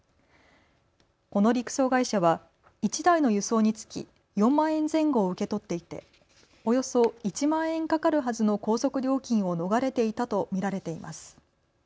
この陸送会社は１台の輸送につき４万円前後を受け取っていておよそ１万円かかるはずの高速料金を逃れていたと見られています。